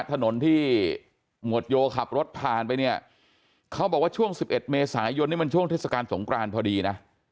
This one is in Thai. ถนนที่หมวดโยขับรถผ่านไปเนี่ยเขาบอกว่าช่วง๑๑เมษายนนี่มันช่วงเทศกาลสงกรานพอดีนะ